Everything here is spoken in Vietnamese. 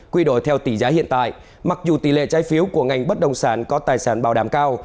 quy đổi theo tỷ giá hiện tại mặc dù tỷ lệ trái phiếu của ngành bất đồng sản có tài sản bảo đảm cao